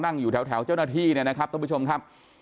อยู่แถวเจ้าหน้าที่เนี่ยนะครับท่านผู้ชมครับ